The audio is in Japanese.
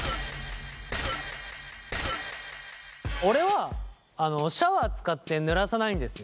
俺はあのシャワー使ってぬらさないんですよ。